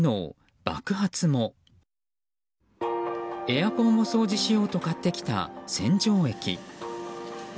エアコンを掃除しようと買ってきた洗浄液。